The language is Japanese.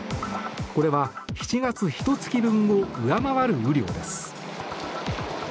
これは７月ひと月分を上回る雨量です。